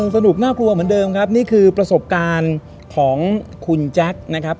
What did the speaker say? น่ากลัวเหมือนเดิมครับนี่คือประสบการณ์ของคุณแจ๊คนะครับ